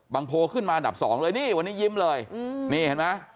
โพลขึ้นมาอันดับสองเลยนี่วันนี้ยิ้มเลยนี่เห็นไหม